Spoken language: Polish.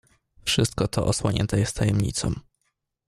"Wszystko to osłonięte jest tajemnicą."